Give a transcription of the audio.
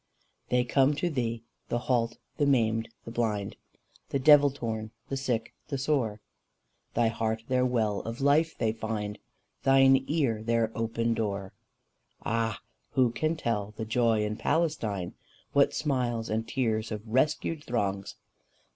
They come to thee, the halt, the maimed, the blind, The devil torn, the sick, the sore; Thy heart their well of life they find, Thine ear their open door. Ah! who can tell the joy in Palestine What smiles and tears of rescued throngs!